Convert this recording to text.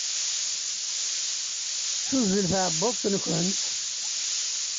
Tuzzel tɛebbuḍt-nkent?